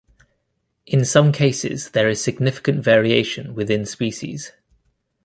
In some cases, there is significant variation within species.